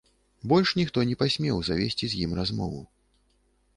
Больш ніхто не пасмеў завесці з ім размову.